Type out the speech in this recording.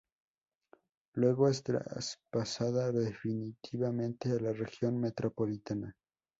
Luego es traspasada definitivamente a la Región Metropolitana.